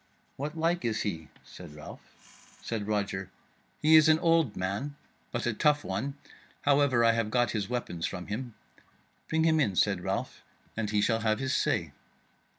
"What like is he?" said Ralph. Said Roger "He is an old man, but a tough one; however, I have got his weapons from him." "Bring him in," said Ralph, "and he shall have his say."